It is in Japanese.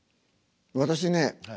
私ね